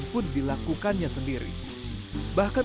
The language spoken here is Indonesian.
udiono juga memiliki keuntungan untuk membuat kembali ke masyarakat